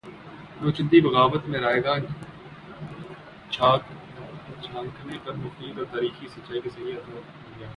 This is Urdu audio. نوچندی بغاوت میں رائیگاں جھانکنے پر مفید اور تاریخی سچائی کا صحیح اعادہ نہیں ہو گا